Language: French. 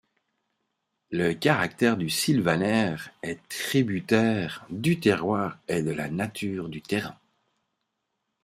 Le caractère du Sylvaner est tributaire du terroir et de la nature du terrain.